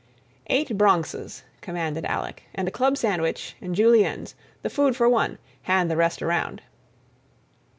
"Eight Bronxes," commanded Alec, "and a club sandwich and Juliennes. The food for one. Hand the rest around."